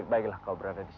fatimah mau tidur sini nek